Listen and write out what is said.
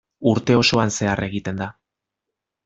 Urte osoan zehar egiten da.